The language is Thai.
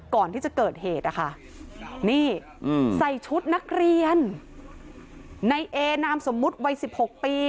ก่อนที่จะเกิดเหตุนะคะนี่ใส่ชุดนักเรียนในเอนามสมมุติวัยสิบหกปี